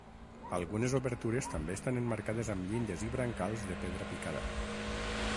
Algunes obertures també estan emmarcades amb llindes i brancals de pedra picada.